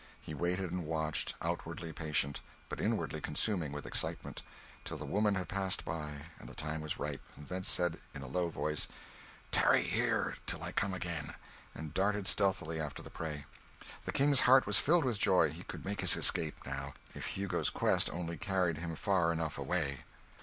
He waited and watched outwardly patient, but inwardly consuming with excitement till the woman had passed by, and the time was ripe; then said, in a low voice "Tarry here till I come again," and darted stealthily after the prey. The King's heart was filled with joy he could make his escape, now, if Hugo's quest only carried him far enough away.